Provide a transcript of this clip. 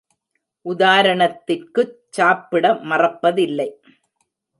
உதாரணத்திற்குச் சாப்பிட மறப்பதில்லை!